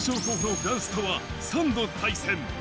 フランスとは３度対戦。